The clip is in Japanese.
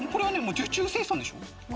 受注生産でしょ？